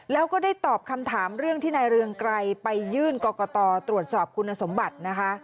แล้วก็ได้ตอบคำถามเรื่องที่นายเรืองไกรไปยื่นกรกตตรวจสอบคุณสมบัตินะคะ